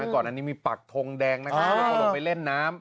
ก่อนอันนี้มีปักทงแดงนะครับแล้วก็ลงไปเล่นน้ำ